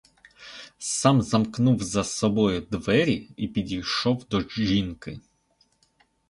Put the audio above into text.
Сам замкнув за собою двері й підійшов до жінки.